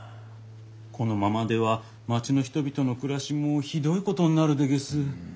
このままでは町の人々の暮らしもひどいことになるでげす。